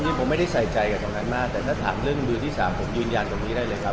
ผมไม่ได้ใส่ใจกับตรงนั้นมากแต่ถ้าถามเรื่องมือที่สามผมยืนยันตรงนี้ได้เลยครับ